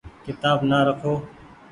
ڪيتآب نآ رکو ۔